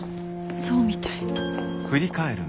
そうみたい。